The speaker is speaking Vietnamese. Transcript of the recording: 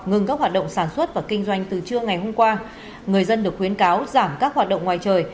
ngừng các hoạt động sản xuất và kinh doanh từ trưa ngày hôm qua người dân được khuyến cáo giảm các hoạt động ngoài trời